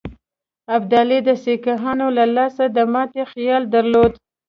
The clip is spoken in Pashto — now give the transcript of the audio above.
ابدالي د سیکهانو له لاسه د ماتي خیال درلود.